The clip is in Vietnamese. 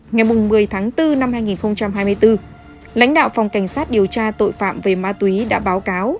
ngày một mươi tháng bốn năm hai nghìn hai mươi bốn lãnh đạo phòng cảnh sát điều tra tội phạm về ma túy đã báo cáo